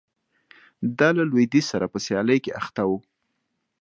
دا له لوېدیځ سره په سیالۍ کې اخته و